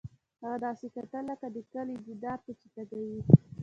هغه داسې کتل لکه د کلي دیدار ته چې تږی وي